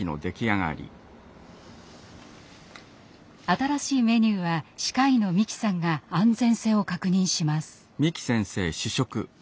新しいメニューは歯科医の三木さんが安全性を確認します。